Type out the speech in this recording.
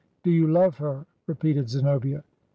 ' Do you love her?' repeated Zenobia.